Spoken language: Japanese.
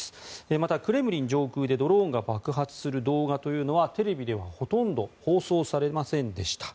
また、クレムリン上空でドローンが爆発する動画というのはテレビではほとんど放送されませんでした。